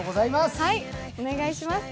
お願いします。